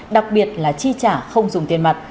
đặc biệt là chi trả không dùng tiền mặt